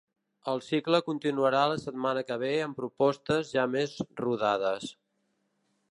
El cicle continuarà la setmana que ve amb propostes ja més rodades.